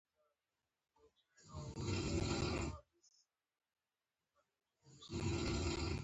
شیبه قدر غلي ناست وو، ګل جانه پر کټ ناسته وه.